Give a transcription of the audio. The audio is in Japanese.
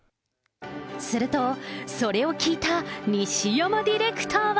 すると、それを聞いた西山ディレクターは。